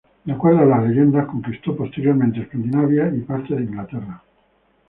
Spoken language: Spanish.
De acuerdo a las leyendas, conquistó posteriormente Escandinavia y partes de Inglaterra.